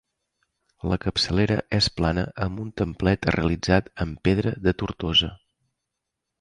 La capçalera és plana amb un templet realitzat amb pedra de Tortosa.